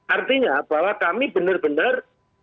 artinya bahwa kami benar benar